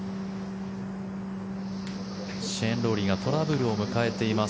シェーン・ロウリーがトラブルを迎えています。